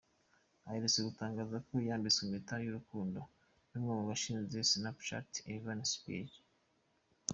Aherutse gutangaza ko yambitswe impeta y’urukundo n’umwe mu bashinze Snapchat Evan Spiegel.